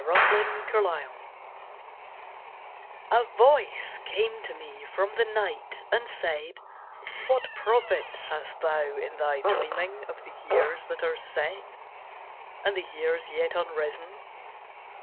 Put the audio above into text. A SONG OF DREAMS A voice came to me from the night, and said, What profit hast thou in thy dreaming Of the years that are set And the years yet unrisen?